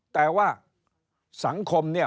แต่ว่าสังคม